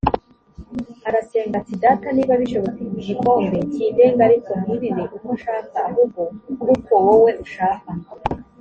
arasenga ati data niba bishoboka iki gikombe kindenge ariko ntibibe uko nshaka ahubwo uko wowe ushaka